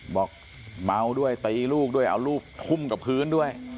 บอกเมาด้วยตีลูกด้วยเอารูปทุ่มกับพื้นด้วย